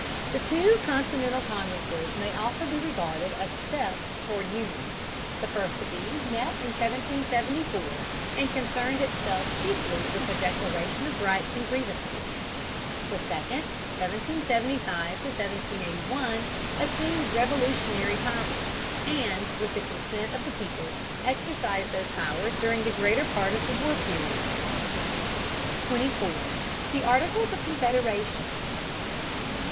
The two continental congresses may also be regarded as steps toward union. The first of these met in 1774 and concerned itself chiefly with a declaration of rights and grievances. The second (1775 1781) assumed revolutionary powers, and, with the consent of the people, exercised those powers during the greater part of the war period. 24. THE ARTICLES OF CONFEDERATION.